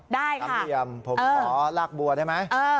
ได้ค่ะผมขอลากบัวได้ไหม